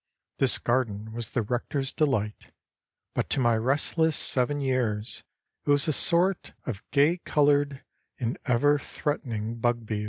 This garden was the rector's delight, but to my restless seven years it was a sort of gay colored and ever threatening bugbear.